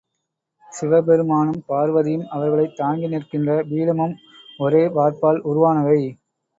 சிவபெருமானும், பார்வதியும் அவர்களைத் தாங்கி நிற்கின்ற பீடமும் ஒரே வார்ப்பால் உருவானவை.